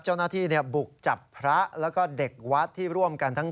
เจ้าหน้าที่บุกจับพระแล้วก็เด็กวัดที่ร่วมกันทั้ง